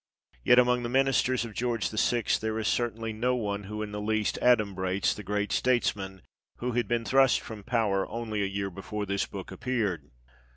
Yet among the ministers of George VI. there is certainly no one who in the least adumbrates the great statesman who had been thrust from power only a year before this book appeared.